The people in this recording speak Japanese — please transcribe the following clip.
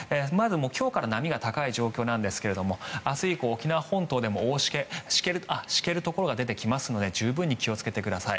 今日から波が高い状況なんですが明日以降、沖縄本島でもしけるところが出てきますので十分に気をつけてください。